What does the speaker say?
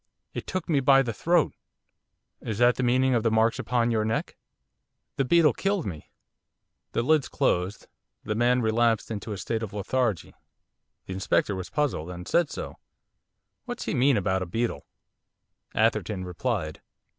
'It took me by the throat!' 'Is that the meaning of the marks upon your neck?' 'The beetle killed me.' The lids closed. The man relapsed into a state of lethargy. The Inspector was puzzled; and said so. 'What's he mean about a beetle?' Atherton replied.